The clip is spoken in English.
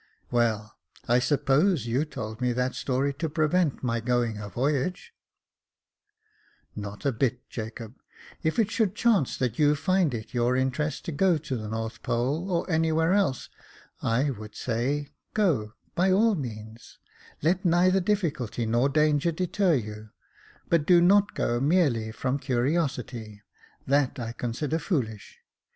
" Well, I suppose you told me that story to prevent my going a voyage ?' 298 Jacob Faithful *'Not a bit, Jacob; if it should chance that you find it your interest to go to the North Pole, or anywhere else, I would say go, by all means; let neither difficulty nor danger deter you ; but do not go merely from curiosity ; that I consider foolish.